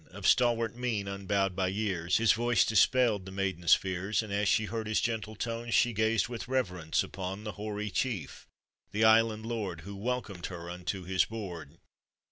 Of stalwart mien unbowed by years, His voice dispelled the maiden's fears, And as she heard his gentle tone, She gazed with reverence upon The hoary chief, the island lord, Who welcomed her unto his board.